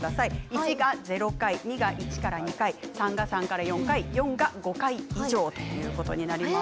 １が０回、２が１から２回３が３から４回４が５回以上となります。